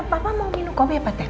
papa mau minum kopi apa teh